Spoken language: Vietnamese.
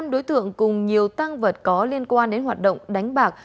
hai mươi năm đối tượng cùng nhiều tăng vật có liên quan đến hoạt động đánh bạc